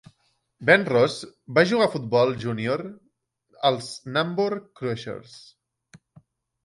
Ben Ross va jugar a futbol júnior als Nambour Crushers.